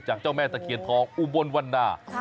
เจ้าแม่ตะเคียนทองอุบลวันนา